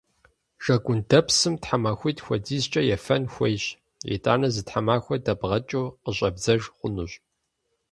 Жэгундэпсым тхьэмахуитӏ хуэдизкӏэ ефэн хуейщ. Итӏанэ зы тхьэмахуэ дэбгъэкӏыу къыщӏэбдзэж хъунущ.